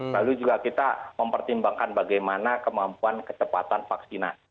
lalu juga kita mempertimbangkan bagaimana kemampuan kecepatan vaksinasi